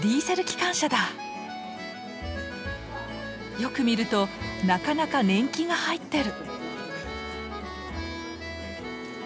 よく見るとなかなか年季が入ってる。